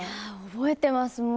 覚えてます。